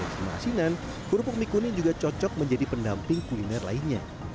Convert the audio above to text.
bersama asinan kerupuk mie kuning juga cocok menjadi pendamping kuliner lainnya